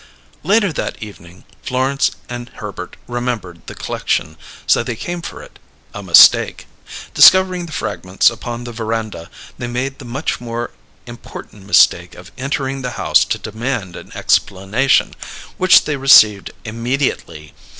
... Later, that evening, Florence and Herbert remembered the c'lection; so they came for it, a mistake. Discovering the fragments upon the veranda, they made the much more important mistake of entering the house to demand an explanation, which they received immediately.